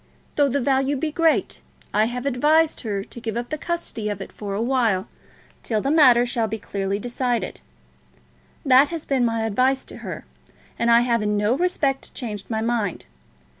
Though the value be great, I have advised her to give up the custody of it for a while, till the matter shall be clearly decided. That has still been my advice to her, and I have in no respect changed my mind.